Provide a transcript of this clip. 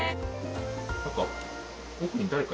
何か。